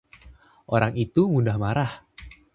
Orang itu mudah marah.